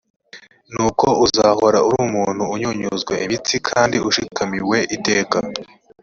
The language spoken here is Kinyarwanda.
nuko uzahore uri umuntu unyunyuzwa imitsi kandi ushikamiwe iteka.